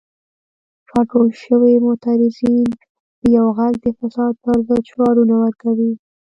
راټول شوي معترضین په یو غږ د فساد پر ضد شعارونه ورکوي.